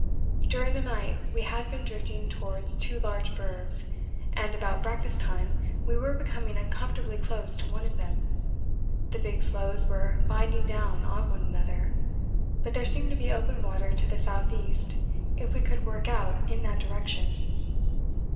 During the night we had been drifting towards two large bergs, and about breakfast time we were becoming uncomfortably close to one of them the big floes were binding down on one another, but there seemed to be open water to the S.E., if we could work out in that direction.